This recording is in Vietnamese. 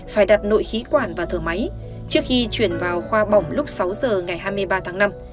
phải đặt nội khí quản và thở máy trước khi chuyển vào khoa bỏng lúc sáu giờ ngày hai mươi ba tháng năm